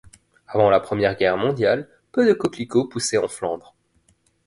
Avant la Première Guerre mondiale, peu de coquelicots poussaient en Flandre.